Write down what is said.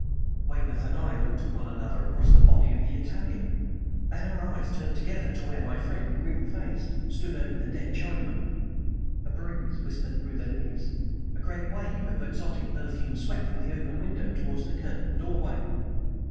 Weymouth and I looked at one another across the body of the Italian; then our eyes turned together to where my friend, grim faced, stood over the dead Chinaman. A breeze whispered through the leaves; a great wave of exotic perfume swept from the open window towards the curtained doorway.